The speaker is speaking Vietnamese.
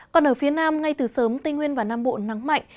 còn ở phía nam ngay từ sớm tây nguyên và nam bộ nắng mạnh